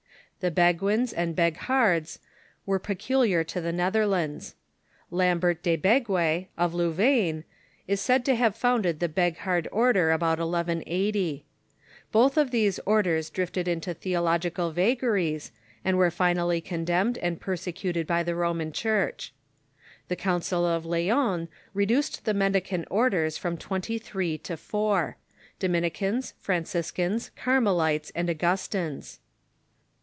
The Beguins and Beghards were peculiar to the Netherlands. Lambert le Begue, of Louvain, is said to have founded the Begliard order about 1180. Both these orders drifted into theological vagaries, and were finally condemned and persecuted by the Roman Church. The Council of Lyons reduced the mendicant orders from twenty three to foui — Do minicans, Franciscans, Carmelites, and Augustines.